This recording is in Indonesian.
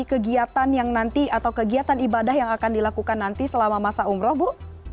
kegiatan yang nanti atau kegiatan ibadah yang akan dilakukan nanti selama masa umroh bu